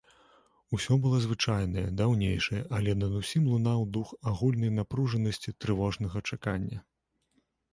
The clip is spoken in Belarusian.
Усё было звычайнае, даўнейшае, але над усім лунаў дух агульнай напружанасці, трывожнага чакання.